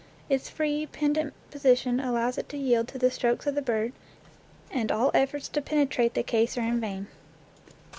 Its free, pendent position allows it to yield to the strokes of the bird, and all efforts to penetrate the case are in vain.